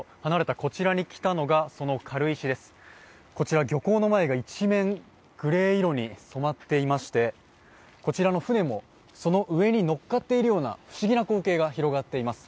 こちらの漁港の前が一面グレー色に染まっていましてこちらの船もその上にのっかっているような不思議な光景が広がっています。